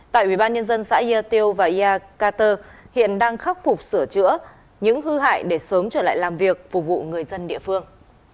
tại ubnd xã yê tiêu và yê carter hiện đang khắc phục sửa chữa những hư hại để sớm trở lại làm việc phục vụ người dân địa phương